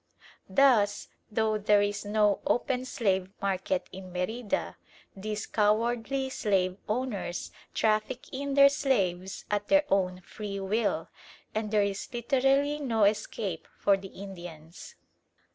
Thus, though there is no open slave market in Merida, these cowardly slave owners traffic in their slaves at their own free will, and there is literally no escape for the Indians.